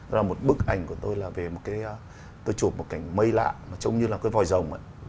rồi một bức ảnh của tôi là về một cái tôi chụp một cảnh mây lạ trông như là cái vòi rồng ấy